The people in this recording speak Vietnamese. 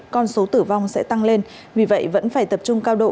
con số tử vong sẽ tăng lên vì vậy vẫn phải tập trung cao độ